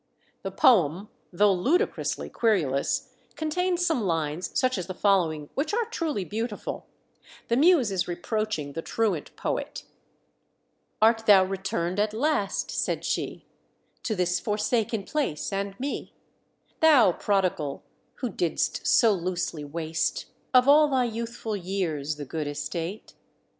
The poem, though ludicrously querulous, contains some lines, such as the following, which are truly beautiful. The muse is reproaching the truant poet. "Art thou returned at last," said she, "To this forsaken place and me, Thou prodigal who didst so loosely waste, Of all thy youthful years, the good estate?